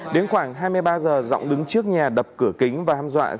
đến khoảng hai mươi ba h rõng đứng trước nhà đập cửa kính và ham dọa